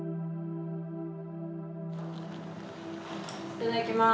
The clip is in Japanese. いただきます。